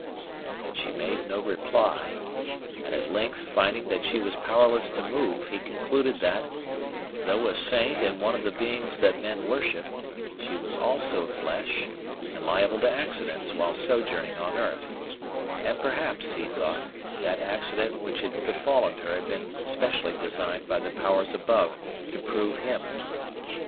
But she made no reply; and at length, finding that she was powerless to move, he concluded that, though a saint and one of the beings that men worship, she was also flesh and liable to accidents while sojourning on earth; and perhaps, he thought, that accident which had befallen her had been specially designed by the powers above to prove him.